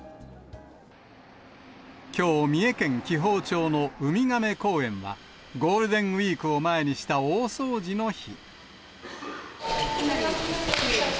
きょう、三重県紀宝町のウミガメ公園は、ゴールデンウィークを前にした大掃除の日。